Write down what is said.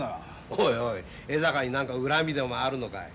おいおい江坂に何か恨みでもあるのかい？